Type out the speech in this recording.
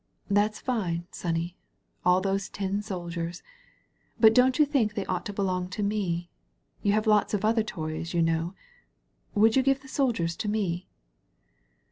"That's fine, sonny — ^all those tin soldiers. But don't you think they ought to belong to me? You have lots of other toys, you know. Would you give the soldiers to me